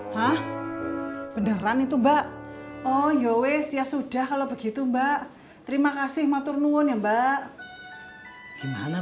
hah beneran itu mbak oh yowes ya sudah kalau begitu mbak terima kasih maturnuun ya mbak gimana